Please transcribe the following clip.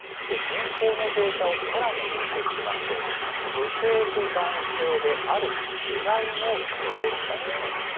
人口のデータをさらに分析しますと、女性と男性で、ある違いも見えてきます。